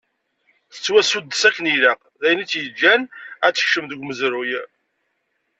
Tettwasuddes akken ilaq, d ayen i tt-yeǧǧan ad tekcem deg umezruy.